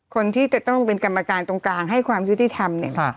คนที่จะต้องเป็นกรรมการตรงกลางให้ความยุติธรรมเนี่ย